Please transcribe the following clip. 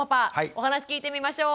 お話聞いてみましょう。